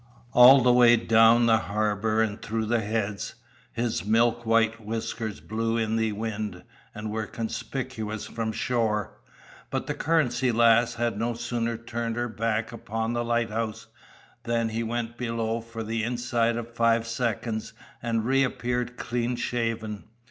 All the way down the harbour and through the Heads, his milk white whiskers blew in the wind and were conspicuous from shore; but the Currency Lass had no sooner turned her back upon the lighthouse, than he went below for the inside of five seconds and reappeared clean shaven.